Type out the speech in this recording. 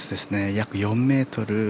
約４ｍ。